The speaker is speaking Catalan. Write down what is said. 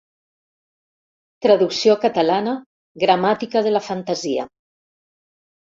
Traducció catalana Gramàtica de la fantasia.